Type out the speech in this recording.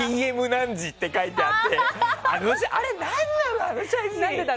ＰＭ何時って書いてあって俺さ